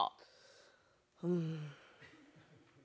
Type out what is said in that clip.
うん。